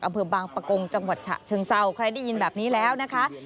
อำเภอบางปะกงจังหวัดฉะเชิงเศร้าใครได้ยินแบบนี้แล้วนะคะ